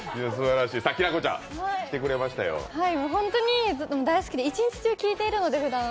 本当に大好きで、一日中聴いているので、ふだん。